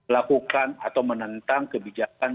lakukan atau menentang kebijakan